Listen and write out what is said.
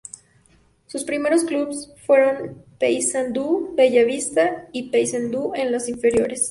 Sus primeros clubes fueron Paysandú Bella Vista y Paysandú en las inferiores.